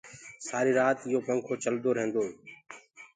سآري رآت يو پنکو چلدو ريهندو هي